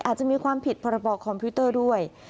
อาจจะมีความผิดพรบคอมพิวเตอร์ด้วย